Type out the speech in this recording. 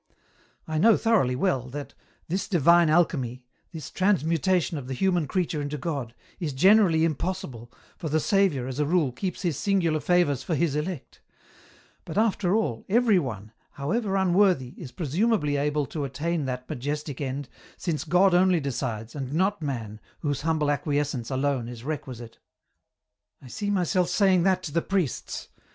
" I know thoroughly well, that this divine alchemy, this transmutation of the human creature into God, is generally impossible, for the Saviour, as a rule, keeps His singular favours for His elect ; but after all, every one, however un worthy, is presumably able to attain that majestic end, since God only decides, and not man, whose humble acquiescence alone is requisite. " I see myself saying that to the priests